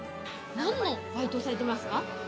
何のバイトされてますか？